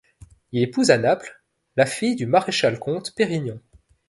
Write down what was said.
Il épouse à Naples la fille du maréchal-comte Pérignon.